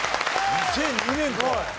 ２００２年か。